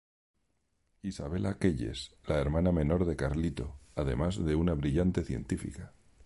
Isabela Keyes, la hermana menor de Carlito, además de una brillante científica.